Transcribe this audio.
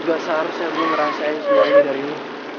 gak seharusnya gue ngerasain sejarahnya dari lo